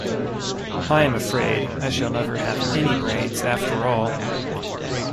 I am afraid I shall never have any brains, after all!